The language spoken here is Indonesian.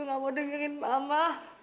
gak mau dengerin mama